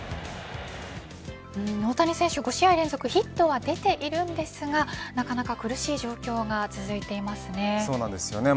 大谷選手、５試合連続ヒットは出ているんですがなかなか苦しい状況が続いていますね。